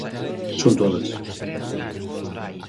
Son todas.